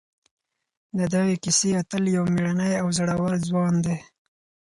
د دغې کیسې اتل یو مېړنی او زړور ځوان دی.